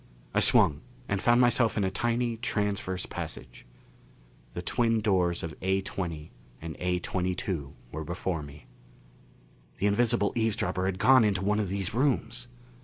I swung and found myself in a tiny transverse passage. The twin doors of A20 and A22 were before me. The invisible eavesdropper had gone into one of these rooms!